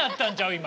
今。